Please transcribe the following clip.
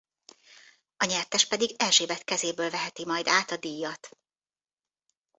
A nyertes pedig Erzsébet kezéből veheti majd át a díjat.